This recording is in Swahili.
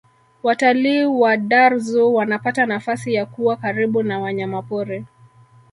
watalii wa dar zoo wanapata nafasi ya kuwa karibu na wanyamapori